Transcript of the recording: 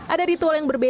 ada ritual yang berbahasa